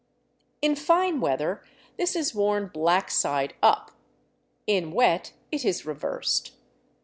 In fine weather this is worn black side up; in wet it is reversed.